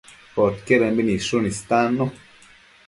Podquedëmbi nidshun istannu